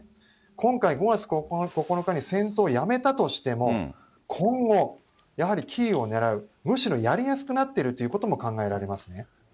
今回、５月９日に戦闘をやめたとしても、今後やはり、キーウをに対する、むしろやりやすくなってるということも考えられますね。